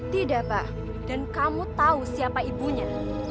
tidak bah dan kamu tahu siapa ibunya